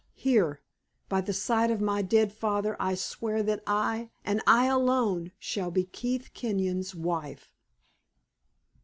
"Here, by the side of my dead father, I swear that I and I alone shall be Keith Kenyon's wife!"